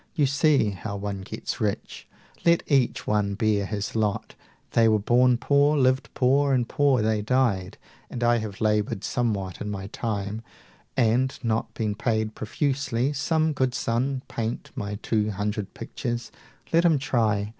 You see How one gets rich! Let each one bear his lot. They were born poor, lived poor, and poor they died: And I have labored somewhat in my time And not been paid profusely. Some good son 255 Paint my two hundred pictures let him try!